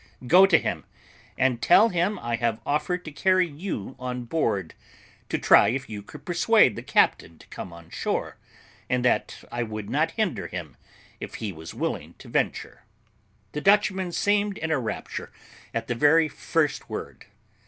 Go to him, and tell him I have offered to carry you on board, to try if you could persuade the captain to come on shore, and that I would not hinder him if he was willing to venture." The Dutchman seemed in a rapture at the very first word.